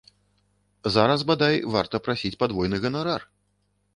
Зараз, бадай, варта прасіць падвойны ганарар!